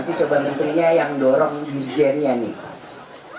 saya coba menterinya yang dorong dirjennya nih